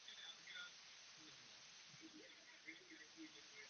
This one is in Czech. Bytem byl v Praze.